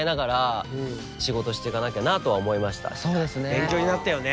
勉強になったよね。